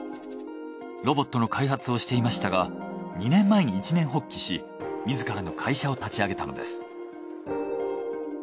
ロボットの開発をしていましたが２年前に一念発起し自らの会社を立ち上げたのです。